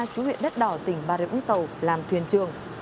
chú huyện đất đỏ tỉnh ba rịa úng tàu làm thuyền trường